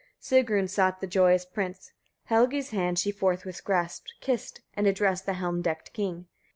12. Sigrun sought the joyous prince, Helgi's hand she forthwith grasped, kissed and addressed the helm decked king.